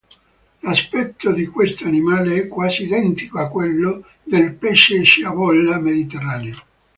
L'aspetto di questo animale è quasi identico a quello del pesce sciabola mediterraneo.